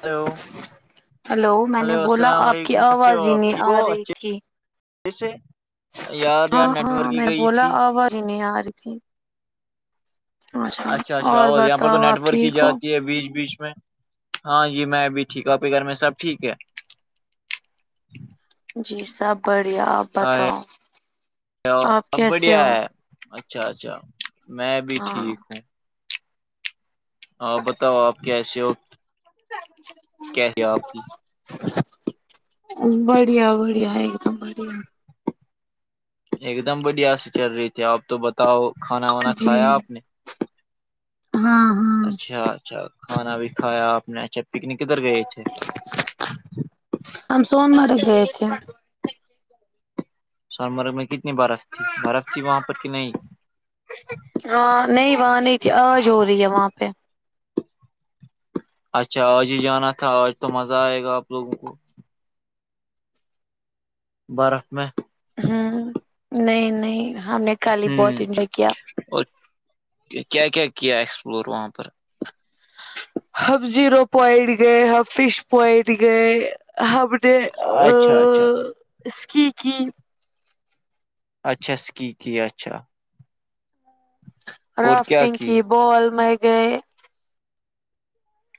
hello میں نے hello بولا السلام آپ کی علیکم کیسے ہو آواز ہی آپ نہیں ٹھیک آ ہو رہی تھی یار یار نیٹورک ہی گئی تھی از نہیں ر کی اچھا اچھا اور یہاں پر تو بتاؤ نیٹ آپ ورک کی ٹھیک ہو جاتی ہے بیچ بیچ میں ہاں جی میں بھی ٹھیک ہوںپ گھر میں سب ٹھیک ہے جی سب بڑھیاب ہاں کبڈی کیسے ہو اچھا اچھا میں بھی ہاں ٹھیک ہوں بتاؤ آپ کیسے ہو سچ کیسے آپ کی بڑھیا بڑھیا ایک دم بڑھیا ایک دم بڑھیا سے چل رہی تھی آپ تو بتاؤ کھانا وانا جی کھایا آپ نے ہاں ہاں اچھا اچھا کھانا بھی کھایا آپ نے اچھا پکنک کدھر گئے تھے ہم سون مرگ گئے تھے سونمرگ میں کتنی برف تھی برف تھی وہاں پر کہ نہیں ہاں نہیں وہاں نہیں تھی آج ہو رہی ہے وہاں پہ اچھا آج ہی جانا تھا آج تو مزہ آئے گا آپ لوگوں کو برف میں ہوں نہیں نہیں ہم نے کالی ہوں بہت انجوائے کیا اور کیا کیا کیا ایکسپلور وہاں پر ہب زیرو پوائنٹ گئے ہب فش پوائنٹ گئے ہبڈے اچھا اچھا اسکی کی اچھا سکییکی اچھا اور کیا رافٹنگ کی بال میں گئے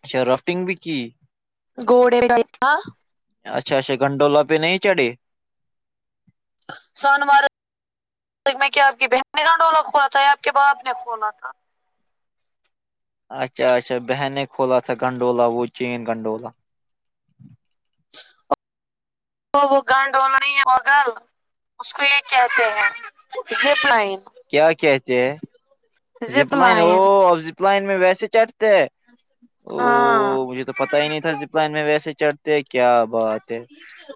اچھا رافٹنگ بھی کی گوڑے اچھا اچھا گنڈولا پہ نہیں چڑے سنوار میں کیا آپ کی بہن نے گنڈولا کھولا تھا آپ کے باپ نے کھلا تھا اچھا اچھا بہن نے کھولا تھا گنڈولا وہ چین گنڈولا تو وہ گنڈونا ہوگل اس کو یہ کہتے ہیں زپ لائن کیا کہتے ہیں زپ لائن ہو اب زپ لائن میں ویسے چڑھتے ہاں ا مجھے تو پتا ہی نہیں تھا زپل میں ویسے چڑھتے کیا بات ہے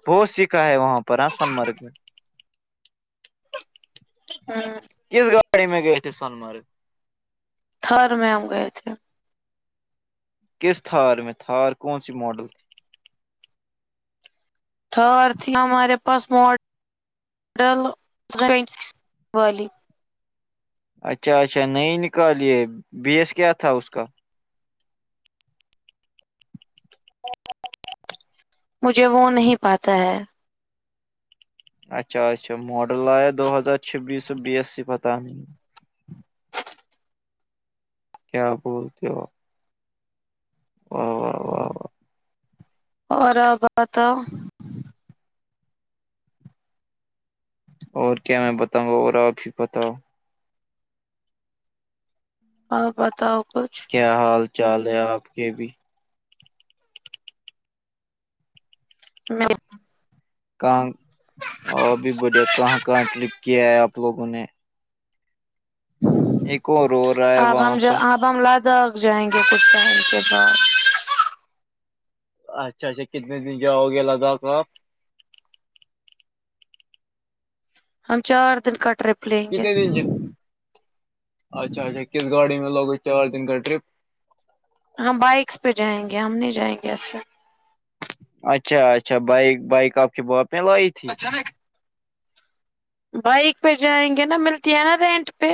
بہت سیکھا ہے وہاں پر ہ سونمرگ میں ہاں کس گاڑی میں گئے تھے سون مرگ تھر میںم گئے تھے کس تھار میں تھار کون سی ماڈل تھی تھار تھی ہمارے پاس ماڈل سکس والی اچھا اچھا نہیں نکالیے بیس کیا تھا اس کا مجھے وہ نہیں پاتا ہے اچھا اچھا ماڈل آیا دو ہزار چھبیس سو بیس سی پتہ نہیں کیا بولتے ہو او او او اور آبات اور کیا میں بتاؤں گا اورا کی پتا ہو ہاں بتاؤ کچھ کیا حال چال ہے آپ کے بھی نہیں کہاں اور اب بھی بڑھیا کہاں کہاں ٹرپ کیا ہے آپ لوگوں نے ایک اور رو رہا ہے آپ ہم وہاں پر آپ ہم لداخ جائیں گے کچھ ٹائم کے بعد اچھا اچھا کتنے دن جاؤ گے لداخ آپ ہم چار دن کا ٹرپ لیں گے اچھ اچا کس گاڑی میں لوگ اس چار دن گن ٹرپ ہاں بائکس پہ جائیں گے ہم نہیں جائیں گے ایسے اچھا اچھا بائک بائک آپ کے باپ میں لائی تھی اج میں بائک پہ جائیں گے نا ملتی ہے نا رینٹ پہ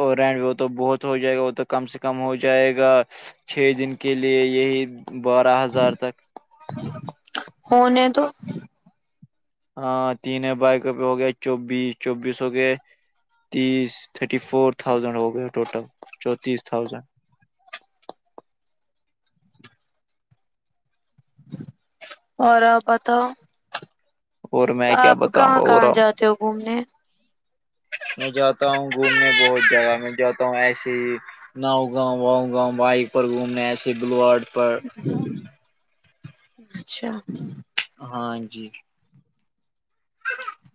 اور رینٹ بھی وہ تو بہت ہو جائے گا وہ تو کم سے کم ہو جائے گا چھ دن کے لیئے یہی بارہ ہزار تک ہونے تو ہاں تین بائیک پ ہو گیا چوبیس چوبیس ہو گئے تیس تھرٹی فور تھاؤزینڈ ہو گیا ٹوٹل چونتیس تھاؤزینڈ اور آپ بتاؤ اور میں کیا آپ بتاؤں کہاں گا کہاں اور جاتے جو گھومنے میں جاتا ہوں گھومنے بہت جگہ میں جاتا ہوں ایسے ہی ناؤ گاؤں واؤ گاؤں بائک پر گھومنے ایس بلوڈ اچھا ہاں جی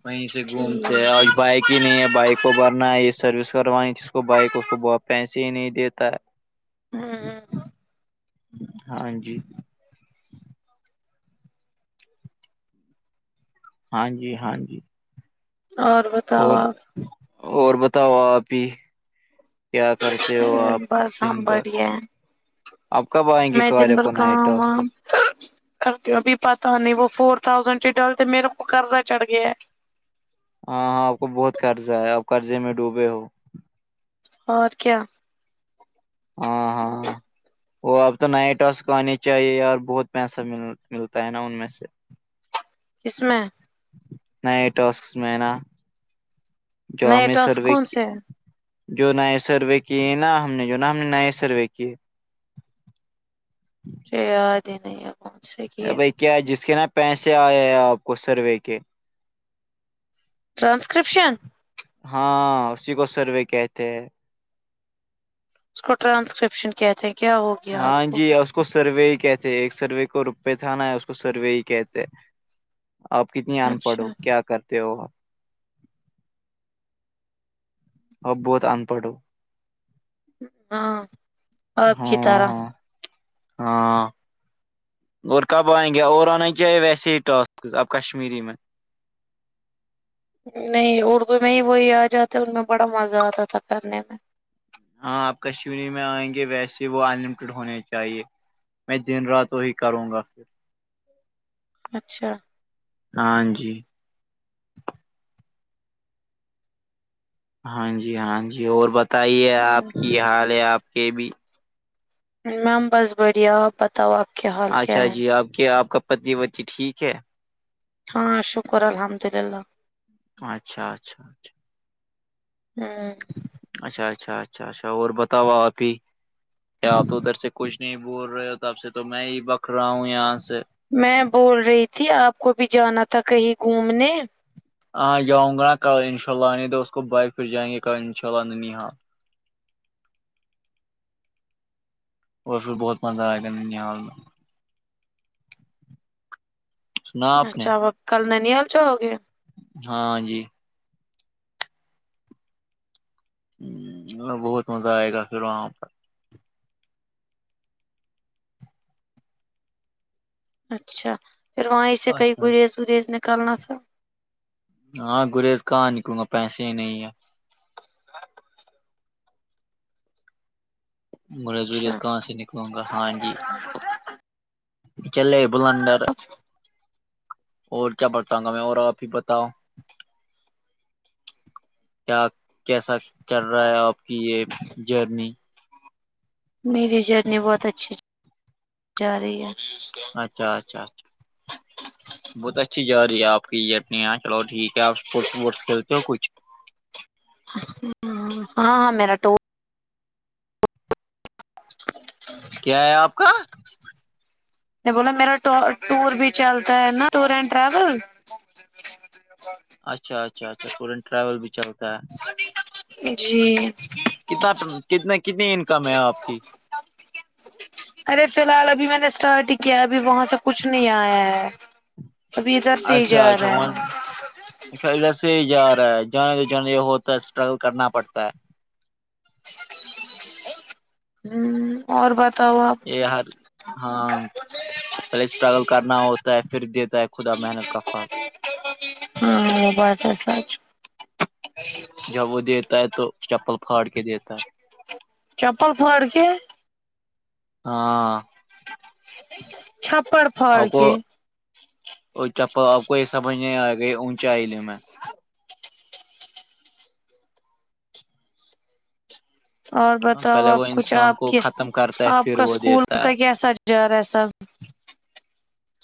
وہیں سے ٹھیک گھومتے ہوں ہیں اور بائک کہ نہیں ہے بائک کو بھرنا ہے یہ سروس کروانی تھی اس کو بائک اس کو ب پیسے ہی نہیں دیتا ہاں ہاں ہاں جی ہاں جی ہاں جی اور بتاؤ اور آپ اور بتاؤ آپ بھی کیا کرتے ہو آپ بس دن ہم بھر بڑھیا ہے آپ کب آئیں گی کوار کونئے ٹاسکس کرتے ابھی پتا نہیں وہ فور تھاؤزینڈ سے ڈلتے میرے کو قرضہ چڑھ گیا ہے ہاں ہاں آپ کو بہت قرضہ ہے آپ قرضے میں ڈوبے ہو اور کیا ہاں وہ اب تو نائٹ واس کو آنی چاہیے ی اور بہت پیسہ م ملتا ہے نا ان میں سے کس میںیں نئے ٹاسک میں نا جو ہم نئے نے ٹاسک سروے کون کیے سے ہیں جو نئے سروے کیے نا ہم نے جو نا ہم نے نئے سروے کیے شی د ن بھائی کیا جس کے نا پیسے آئے ہیں آپ کو سروے کے ٹرانسکرپشن ہاں اسی کو سروے کہتے ہیں اس کو ٹرانسکرپشن کہتے ہیں کیا ہوگا ہاں جی اس کو سروے ہی کہتے ہیں ایک سروے کو روپئے تھا نا ہے اس کو سروے ہی کہتے آپ کتنی انپڑھ اچھا ہو کیا کرتے ہو آپ بہت آ نپڑھ ہاں آپ کی طرح ہاں ہاں ہاں اور کب آئیں گے اور آنا ہی چاہیے ویسے ہی ٹسک اب کشمیری میں نہیں اردو میں ہی وہی آ جاتے ان میں بڑا مزہ آتا تھا کرنے میں ہاں آپ کشمیری میں آئیں گے ویسے وہ انلمیٹیڈ ہونے چاہیے میں دن رات وہی کروں گا پھر اچھا ہاں جی ہاں جی ہاں جی اور بتائیے آپ کی حال ہے آپ کے بھی میم بس بڑییا پت تواقع اچھا جی آپ کے آپ کا پنی وتی ٹھیک ہے ہاں شکر الحمد اللہ اچھا اچھا اچھا ہاں اچھا اچھا اچھا اچھا اور بتاوا آپ ہی کیا آپ تو ادھر سے کچھ نہیں بول رہے ہو توب سے تو میں ہی بکھ رہا ہوں یہاں سے میں بول رہی تھی آپ کو بھی جانا تھا کہیں گھومنے ہاں جاؤں گا کل ان شاء اللہ نہیں دو اس کو بائک پھر جائیں گے کل ان شاء اللہاں اور پھر بہت مزہ آیا گ نال میں سنا آپ نے اچھا اب کل ننییال جو ہو گے ہاں جی ہ بہت مزہ آئے گا پھر وہاں پر اچھا پھر وہیں سے پر کہیں اچھا گریز وریز نکالنا تھا ہاں گریز کہاں نکلوں گا پیسے ہی نہیں ہے مو اچھا کہاں سے نکل وں گا ہاں جی چلے بل انڈر اور کیا پڑھتااہوں گا میں اور آپ بھی بتاؤ کیا کیسا چل رہا ہے آپ کی یہ جرنی میری جرنی بہت اچھی جا رہی ہے اچھا اچھا اچھ بہت اچھی جا رہی ہے آپ کی یہ نہیںاں چلو ٹھیک ہے آپورٹس وورٹس کھیلتے ہو کھ ہاں ہاں میرا ٹ [inaudible] کیا ہے آپ کا بولا میرا ٹور بھی چلتا ہے نا ٹور اینڈ ٹریول اچھا اچھا اچھا ٹور این ٹریول بھی چلتا ہے جی کتنا کتنا کتنی انکم ہے آپ کی ارے فی الحال ابھی میں نے اسٹارٹ ہی کیا ابھی وہاں سے کچھ نہیں آیا ہے ابھی ادھر سے ہی جا رہا ہے اچا ایسے ہی جا رہا ہے جانے تو جانے یہ ہوتا ہے اسٹرگل کرنا پڑتا ہے [inaudible] اور بتاؤا یہ ہر ہاں پہلے اسٹرگل کرنا ہوتا ہے پھر د خدا محنت کا فل ہوں وہ بات ہے سچ جب وہ دیتا ہے تو چپل پھاڑ کے دیتا ہے چپل پھوڑ کے ہاں چھاپڑ آپ کو چپ آپ کو یہ سمج نہیں آئے گا اونچے آلے میں اور بتاؤ پہلے وہ آپ کو کیا انسان آپ کے ختم کرتا ہے آپ پھر کا وہ اسکول دیتا ہے کا کیسا جارہ ہے سب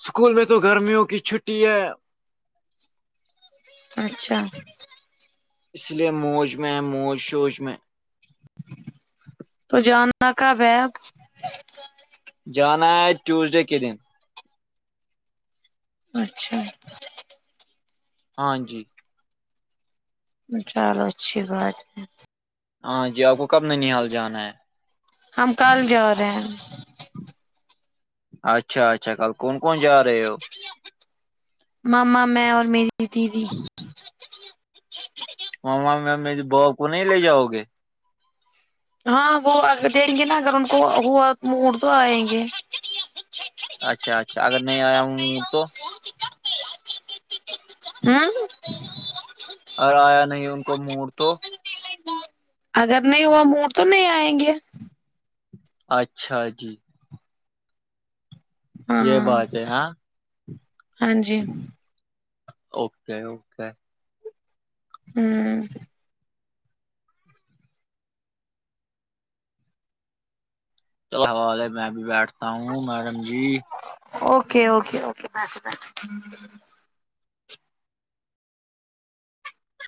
اسکول میں تو گرمیوں کی چھٹی ہے اچھا اس لیے موج میں موج شوج میں تو جاننا کاب جانا ہے ٹیوزڈے کے دن اچھا ہاں جی چلو اچھی بات ہے ہاں جی آپ کو کب نن حال جانا ہے ہم کل جا رہے ہیں اچھا اچھا کل کون کون جا رہے ہو ماما میں اور میری دیدی ماما میں میری با کو نہیں لے جاؤ گے ہاں وہ دیں گے نا اگر ان کو ہواڑ تو آئیں گے اچھا اچھا اگر نہیں آیا ہوں تو ہاں اور آیا نہیں ان کو موڑ تو اگر نہیں ہوا موڑ تو نہیں آئیں گے اچھا جی یہ ہاں بات ہے ہاں ہاں جی اوکے اوکے ہوں ال حوال ہے میں بھی بیٹھتا ہوں میڈم جی اوکے اوکےوکے